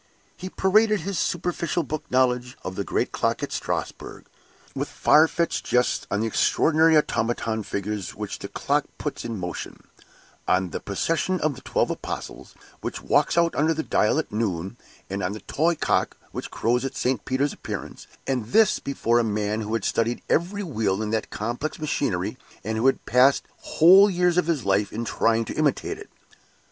He paraded his superficial book knowledge of the great clock at Strasbourg, with far fetched jests on the extraordinary automaton figures which that clock puts in motion on the procession of the Twelve Apostles, which walks out under the dial at noon, and on the toy cock, which crows at St. Peter's appearance and this before a man who had studied every wheel in that complex machinery, and who had passed whole years of his life in trying to imitate it.